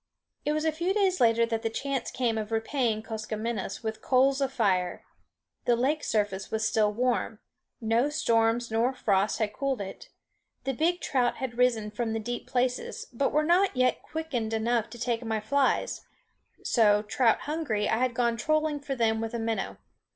It was a few days later that the chance came of repaying Koskomenos with coals of fire. The lake surface was still warm; no storms nor frosts had cooled it. The big trout had risen from the deep places, but were not yet quickened enough to take my flies; so, trout hungry, I had gone trolling for them with a minnow.